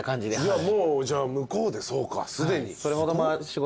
もうじゃあ向こうでそうかすでに。